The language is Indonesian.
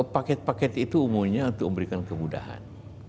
paket paket itu umumnya untuk memberikan kemudahan